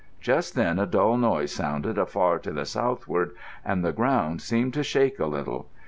Just then a dull noise sounded afar to the southward, and the ground seemed to shake a little.